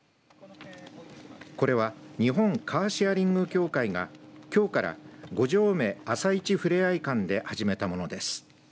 これは日本カーシェアリング協会がきょうから五城目朝市ふれあい館で始めたものです。